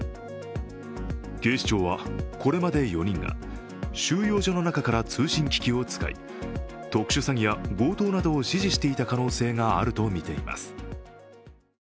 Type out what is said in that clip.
警視庁はこれまで４人が収容所の中から通信機器を使い特殊詐欺や強盗などを指示していた可能性があるとみています。